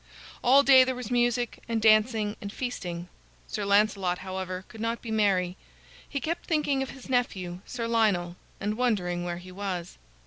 All day there was music and dancing and feasting. Sir Lancelot, however, could not be merry. He kept thinking of his nephew, Sir Lionel, and wondering where he was.